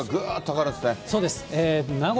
そうです。